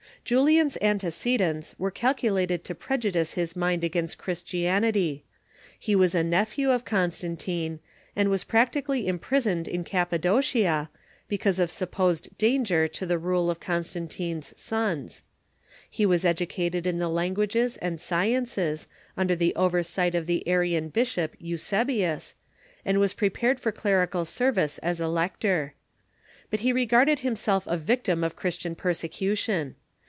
Julian's antecedents were calculated to prejudice his mind against Christianity. He was a nephew of Constantine, and was practically imprisoned in Ca])padocia, because ^^o'f ^Julian"" ^^ sup])osed danger to the rule of Constantine's sons. He was educated in the languages and sci ences, under the oversight of the Arian bishop Eusebius, and was prepared for clerical service as a lector. But he regarded himself a victim of Christian persecution.